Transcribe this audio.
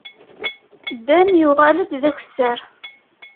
Dan yuɣal-d d akessar.